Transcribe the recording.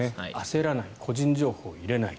焦らない個人情報を入れない。